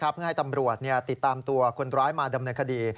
เพื่อให้ตำรวจติดตามตัวคนร้ายมาดำเนินคดี